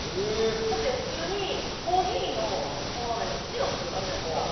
だって、普通にコーヒーのシロップあるじゃないですか